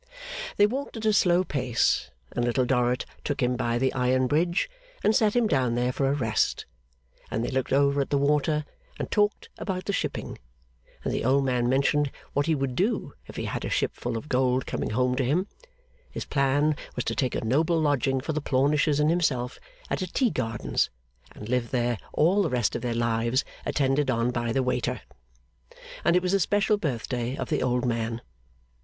They walked at a slow pace, and Little Dorrit took him by the Iron Bridge and sat him down there for a rest, and they looked over at the water and talked about the shipping, and the old man mentioned what he would do if he had a ship full of gold coming home to him (his plan was to take a noble lodging for the Plornishes and himself at a Tea Gardens, and live there all the rest of their lives, attended on by the waiter), and it was a special birthday of the old man.